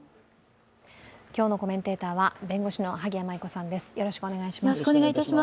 今日のコメンテーターは弁護士の萩谷麻衣子さんです。